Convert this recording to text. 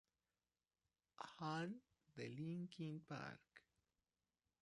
Hahn de Linkin Park.